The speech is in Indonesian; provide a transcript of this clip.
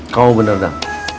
kau bener dah